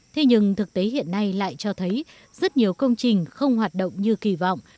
thế nhưng thực tế hiện nay lại cho thấy rất nhiều công trình không hoạt động như kỳ vọng